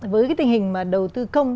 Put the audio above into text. với cái tình hình mà đầu tư công